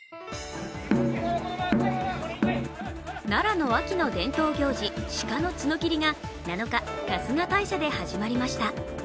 奈良の秋の伝統行事、鹿の角きりが７日、春日大社で始まりました。